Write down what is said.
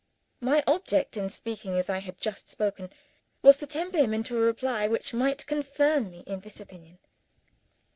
My object in speaking as I had just spoken, was to tempt him into a reply which might confirm me in this opinion.